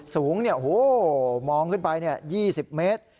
สูงโอ้โฮมองขึ้นไป๒๐เมตร